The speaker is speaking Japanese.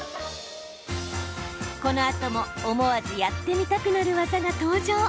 このあとも思わずやってみたくなる技が登場。